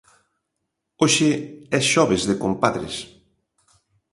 Hoxe é Xoves de Compadres.